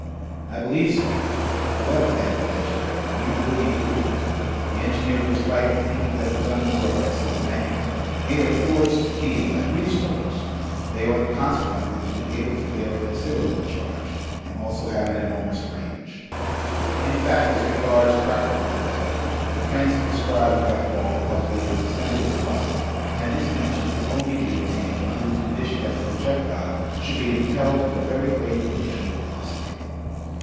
"I believe so. However," added the engineer, "we will be prudent." The engineer was right in thinking that the guns were of excellent make. Made of forged steel, and breech loaders, they ought consequently to be able to bear a considerable charge, and also have an enormous range. In fact, as regards practical effect, the transit described by the ball ought to be as extended as possible, and this tension could only be obtained under the condition that the projectile should be impelled with a very great initial velocity.